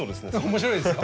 面白いですよ。